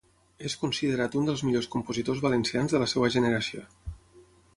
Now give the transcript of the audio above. És considerat un dels millors compositors valencians de la seva generació.